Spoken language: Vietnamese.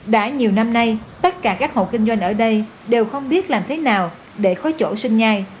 đã nhiều năm nay tất cả các hộ kinh doanh ở đây đều không biết làm thế nào để có chỗ sinh nhai